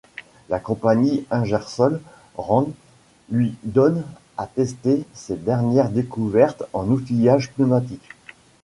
La compagnie Ingersoll Rand lui donne à tester ses dernières découvertes en outillage pneumatique.